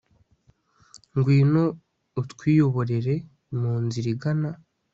ngwino utwiyoborere, mu nzira igana